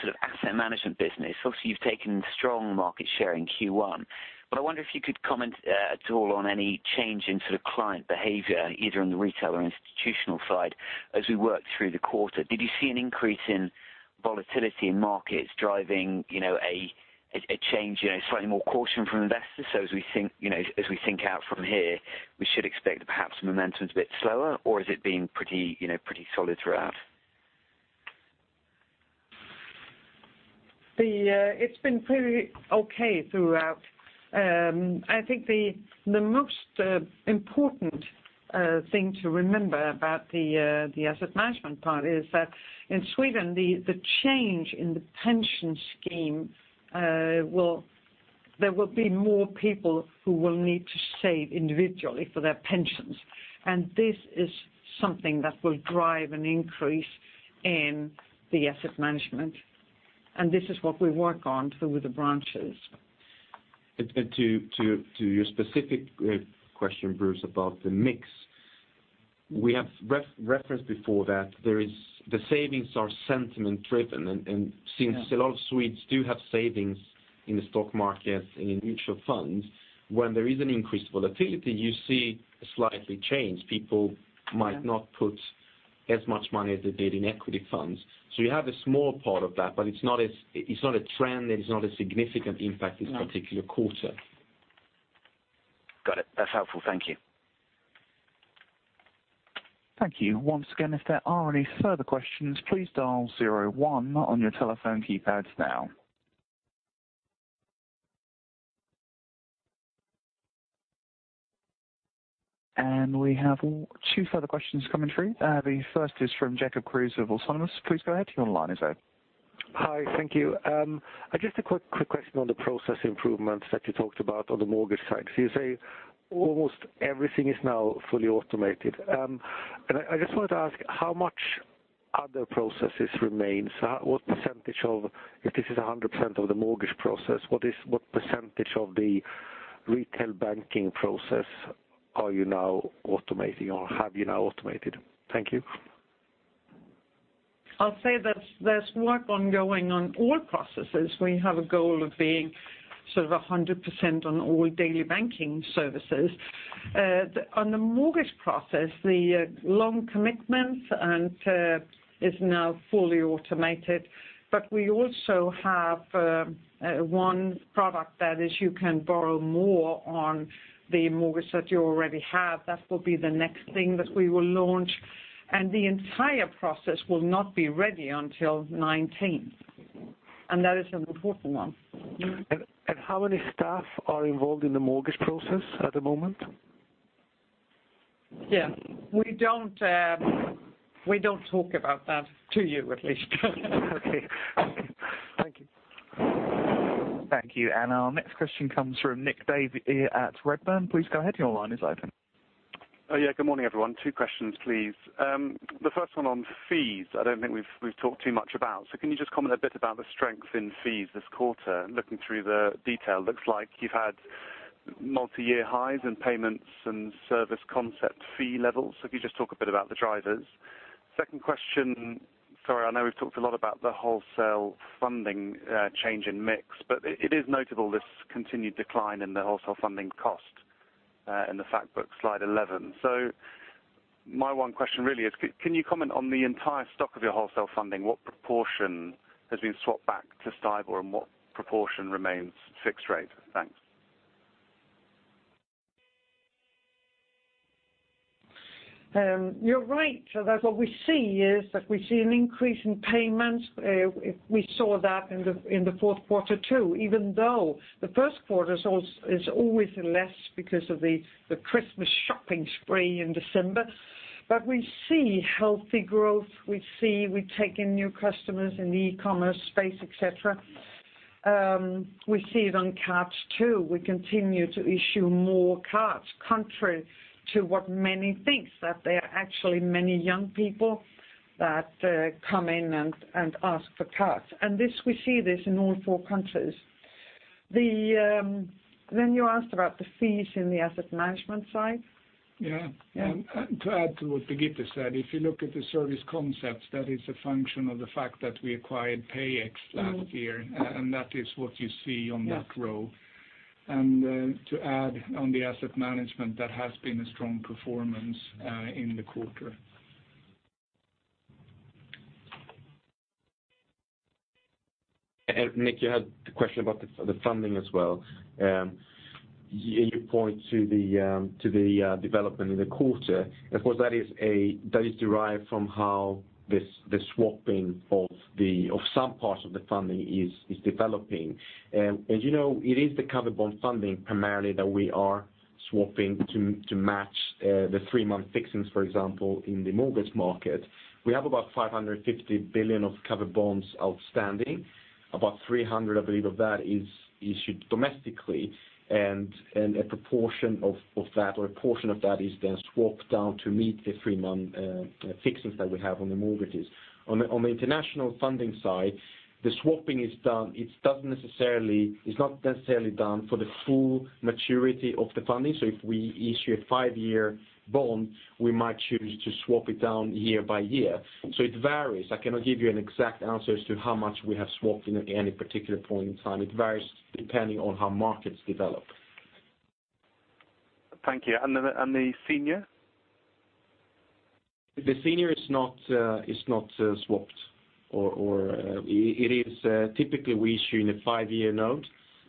sort of asset management business, obviously, you've taken strong market share in Q1. But I wonder if you could comment at all on any change in sort of client behavior, either on the retail or institutional side, as we worked through the quarter. Did you see an increase in volatility in markets driving, you know, a change, you know, slightly more caution from investors? So as we think, you know, as we think out from here, we should expect perhaps the momentum is a bit slower, or has it been pretty, you know, pretty solid throughout? It's been pretty okay throughout. I think the most important thing to remember about the asset management part is that in Sweden, the change in the pension scheme will... There will be more people who will need to save individually for their pensions, and this is something that will drive an increase in the asset management, and this is what we work on with the branches. And to your specific question, Bruce, about the mix, we have referenced before that there is the savings are sentiment driven. Yeah. Since a lot of Swedes do have savings in the stock market and in mutual funds, when there is an increased volatility, you see a slight change. Yeah. People might not put as much money as they did in equity funds. You have a small part of that, but it's not a trend, and it's not a significant impact this particular quarter. Got it. That's helpful. Thank you. Thank you. Once again, if there are any further questions, please dial zero one on your telephone keypads now. And we have two further questions coming through. The first is from Jacob Kruse of Autonomous. Please go ahead, your line is open. Hi, thank you. Just a quick question on the process improvements that you talked about on the mortgage side. So you say almost everything is now fully automated. And I just wanted to ask, how much other processes remains? What percentage of... If this is 100% of the mortgage process, what percentage of the retail banking process are you now automating or have you now automated? Thank you. I'll say that there's work ongoing on all processes. We have a goal of being sort of 100% on all daily banking services. On the mortgage process, the loan commitments end is now fully automated, but we also have one product that is, you can borrow more on the mortgage that you already have. That will be the next thing that we will launch, and the entire process will not be ready until 2019. And that is an important one. And how many staff are involved in the mortgage process at the moment? Yeah. We don't, we don't talk about that, to you at least. Okay. Thank you. Thank you. Our next question comes from Nick Davey at Redburn. Please go ahead. Your line is open. Oh, yeah. Good morning, everyone. Two questions, please. The first one on fees, I don't think we've talked too much about. So can you just comment a bit about the strength in fees this quarter? Looking through the detail, looks like you've had multi-year highs in payments and service concept fee levels. So if you just talk a bit about the drivers. Second question, sorry, I know we've talked a lot about the wholesale funding change in mix, but it is notable, this continued decline in the wholesale funding cost in the Factbook, slide 11. So my one question really is, can you comment on the entire stock of your wholesale funding, what proportion has been swapped back to STIBOR, and what proportion remains fixed rate? Thanks. You're right. So that what we see is, that we see an increase in payments. We saw that in the fourth quarter, too, even though the first quarter is always less because of the Christmas shopping spree in December. But we see healthy growth. We see we're taking new customers in the e-commerce space, et cetera. We see it on cards, too. We continue to issue more cards, contrary to what many think, that there are actually many young people that come in and ask for cards. And this, we see this in all four countries. Then you asked about the fees in the asset management side? Yeah. Yeah. To add to what Birgitte said, if you look at the service concepts, that is a function of the fact that we acquired PayEx last year. Mm. And that is what you see on that row. Yeah. To add on the asset management, that has been a strong performance in the quarter. And Nick, you had a question about the funding as well. You point to the development in the quarter. Of course, that is derived from how the swapping of some parts of the funding is developing. As you know, it is the covered bond funding primarily that we are swapping to match the three-month fixings, for example, in the mortgage market. We have about 550 billion of covered bonds outstanding. About 300 billion, I believe, of that is issued domestically, and a proportion of that, or a portion of that, is then swapped down to meet the three-month fixings that we have on the mortgages. On the international funding side, the swapping is done. It doesn't necessarily—it's not necessarily done for the full maturity of the funding. So if we issue a five-year bond, we might choose to swap it down year by year. So it varies. I cannot give you an exact answer as to how much we have swapped in, at any particular point in time. It varies depending on how markets develop. Thank you. And the senior? The senior is not swapped or... It is typically we issue in a five-year note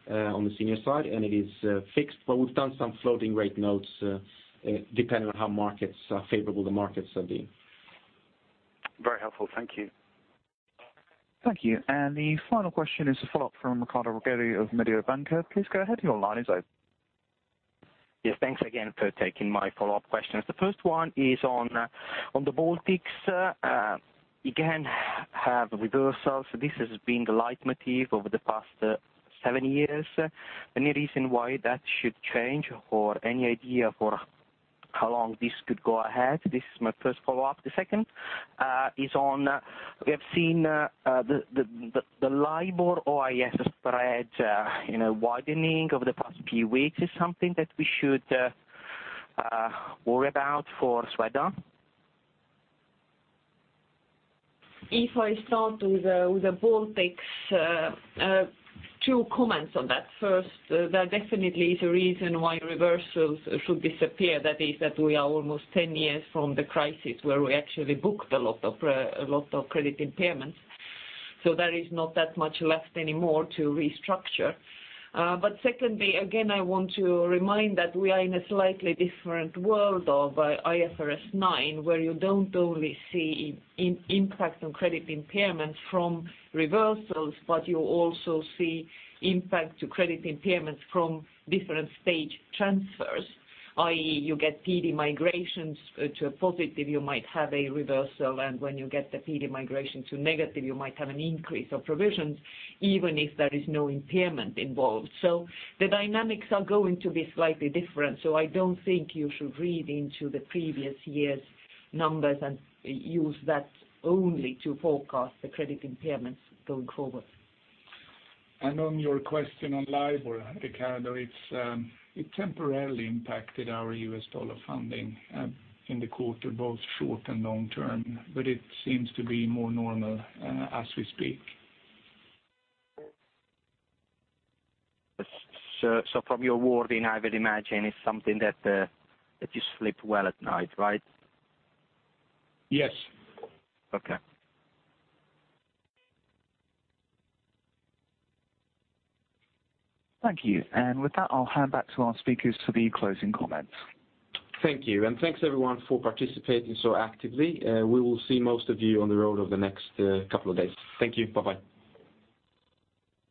on the senior side, and it is fixed, but we've done some floating rate notes depending on how favorable the markets have been. Very helpful. Thank you. Thank you. The final question is a follow-up from Riccardo Rovere of Mediobanca. Please go ahead. Your line is open.... Yes, thanks again for taking my follow-up questions. The first one is on the Baltics. You can have reversals. This has been the leitmotif over the past seven years. Any reason why that should change, or any idea for how long this could go ahead? This is my first follow-up. The second is on, we have seen the LIBOR-OIS spread, you know, widening over the past few weeks. Is something that we should worry about for Swedbank? If I start with the Baltics, two comments on that. First, there definitely is a reason why reversals should disappear. That is, that we are almost 10 years from the crisis, where we actually booked a lot of credit impairments, so there is not that much left anymore to restructure. But secondly, again, I want to remind that we are in a slightly different world of IFRS 9, where you don't only see impact on credit impairments from reversals, but you also see impact to credit impairments from different stage transfers, i.e., you get PD migrations. To a positive, you might have a reversal, and when you get the PD migration to negative, you might have an increase of provisions, even if there is no impairment involved. So the dynamics are going to be slightly different, so I don't think you should read into the previous year's numbers and use that only to forecast the credit impairments going forward. On your question on LIBOR, Riccardo, it temporarily impacted our U.S. dollar funding in the quarter, both short and long term, but it seems to be more normal as we speak. So, from your wording, I would imagine it's something that you sleep well at night, right? Yes. Okay. Thank you. With that, I'll hand back to our speakers for the closing comments. Thank you, and thanks, everyone, for participating so actively. We will see most of you on the road over the next couple of days. Thank you. Bye-bye.